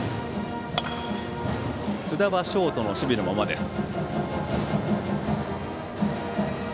津田はショートの守備のままです。